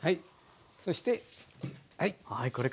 そしてはい。